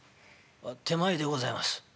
「手前でございます」。